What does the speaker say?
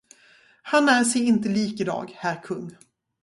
Han är sig inte lik i dag, herr kung.